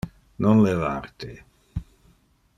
Non levar te.